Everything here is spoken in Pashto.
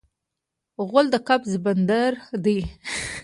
غول د قبض بندر دی.